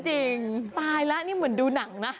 จริงตายแล้วนี่เหมือนดูหนังนะ